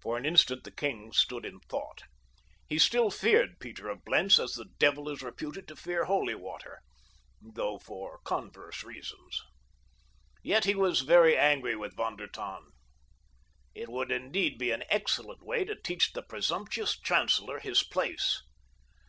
For an instant the king stood in thought. He still feared Peter of Blentz as the devil is reputed to fear holy water, though for converse reasons. Yet he was very angry with Von der Tann. It would indeed be an excellent way to teach the presumptuous chancellor his place.